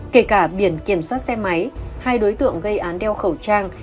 kể cả biển kiểm soát xe máy hai đối tượng gây án đeo khẩu trang